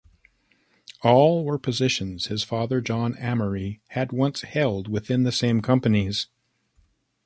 All were positions his father, John Amory, had once held within the same companies.